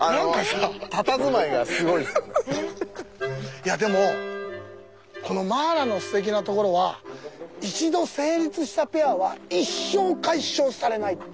いやでもこのマーラのすてきなところは「一度成立したペアは一生解消されない」っていう。